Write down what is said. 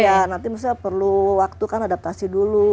iya nanti misalnya perlu waktu kan adaptasi dulu